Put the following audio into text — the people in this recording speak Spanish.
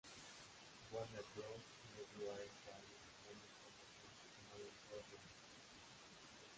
Warner Bros le dio a este álbum menos promoción y no lanzó remixes.